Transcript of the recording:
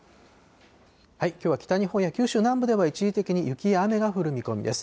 きょうは北日本や九州南部では一時的に雪や雨が降る見込みです。